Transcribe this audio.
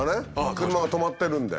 車が止まってるんで。